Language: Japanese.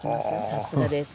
さすがです。